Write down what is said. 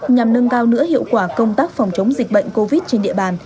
nhằm nâng cao nữ hiệu quả công tác phòng chống dịch bệnh covid trên địa bàn